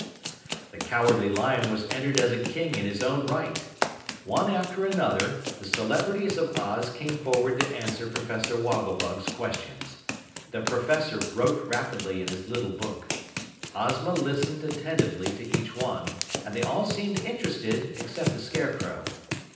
The Cowardly Lion was entered as a King in his own right. One after the other, the celebrities of Oz came forward to answer Professor Wogglebug's questions. The Professor wrote rapidly in his little book. Ozma listened attentively to each one, and they all seemed interested except the Scarecrow.